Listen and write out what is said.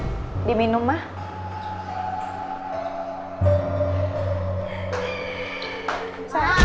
sepertinya dia sudah berhasil mencari